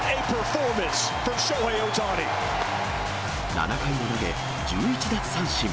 ７回を投げ１１奪三振。